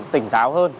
tỉnh táo hơn